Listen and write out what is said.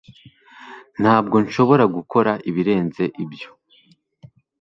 ntabwo nshobora gukora ibirenze ibyo